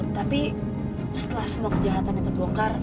tapi setelah semua kejahatan itu terlongkar